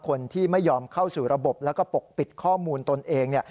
คนที่ไม่ยอมเข้าสู่ระบบแล้วก็ปกปิดข้อมูลตนเอง